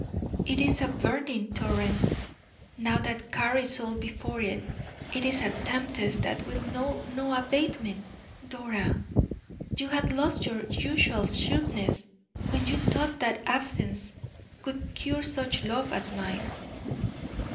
It is a burning torrent now that carries all before it: it is a tempest that will know no abatement Dora, you had lost your usual shrewdness when you thought that absence would cure such love as mine."